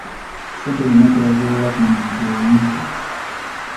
Ssente zonna twazeewola ku muntu omu.